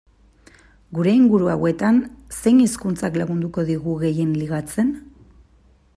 Gure inguru hauetan, zein hizkuntzak lagunduko digu gehien ligatzen?